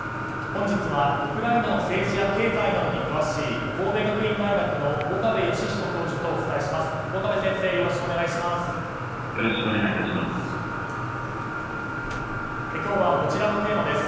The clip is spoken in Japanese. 本日はウクライナの政治や経済などに詳しい神戸学院大学の岡部芳彦教授とお伝えします。